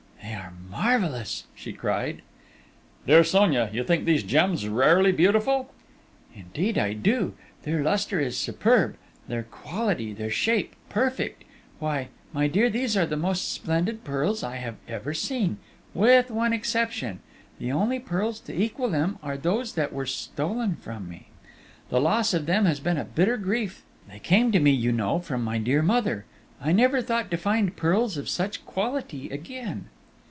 "They are marvellous!" she cried. "Dear Sonia, you think these gems rarely beautiful?" "Indeed I do! Their lustre is superb; their quality, their shape, perfect!... Why, my dear, these are the most splendid pearls I have ever seen with one exception the only pearls to equal them are those that were stolen from me!... The loss of them has been a bitter grief ... they came to me, you know, from my dear mother!... I never thought to find pearls of such quality again...."